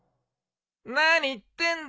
何言ってんだ。